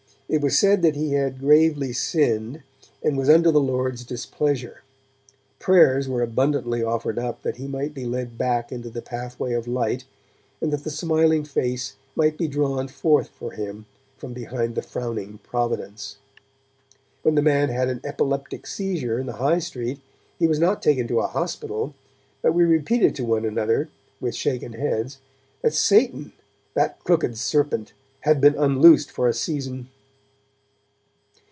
It was said that he had gravely sinned, and was under the Lord's displeasure; prayers were abundantly offered up that he might be led back into the pathway of light, and that the Smiling Face might be drawn forth for him from behind the Frowning Providence. When the man had an epileptic seizure in the High Street, he was not taken to a hospital, but we repeated to one another, with shaken heads, that Satan, that crooked Serpent, had been unloosed for a season.